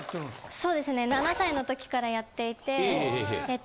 そうですね７歳の時からやっていてえっと